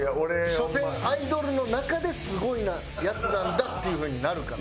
所詮アイドルの中ですごいヤツなんだっていう風になるから。